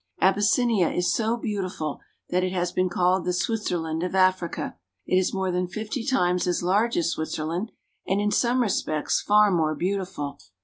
Aby.ssinia is so beautiful that it has been called the Switzerland of Africa. It is more than fifty times as large as Switzerland, and in some respects far more beautiful.